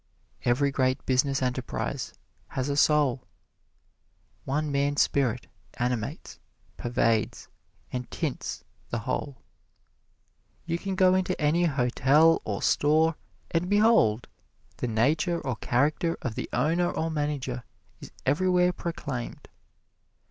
Every great business enterprise has a soul one man's spirit animates, pervades and tints the whole. You can go into any hotel or store, and behold! the nature or character of the owner or manager is everywhere proclaimed.